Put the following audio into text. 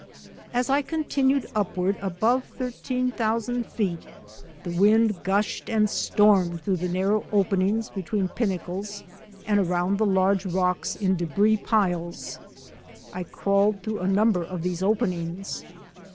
As I continued upward above thirteen thousand feet, the wind gushed and stormed through the narrow openings between pinnacles and around the large rocks in debris piles. I crawled through a number of these openings.